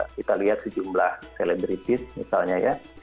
kita lihat sejumlah selebritis misalnya ya